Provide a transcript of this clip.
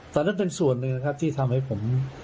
แต่นั่นเป็นส่วนหนึ่งนะครับที่ทำให้ผม